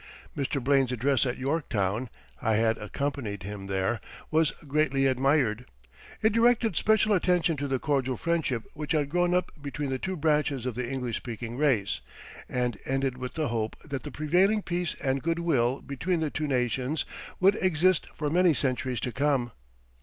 Mr. Blaine's address at Yorktown (I had accompanied him there) was greatly admired. It directed special attention to the cordial friendship which had grown up between the two branches of the English speaking race, and ended with the hope that the prevailing peace and good will between the two nations would exist for many centuries to come.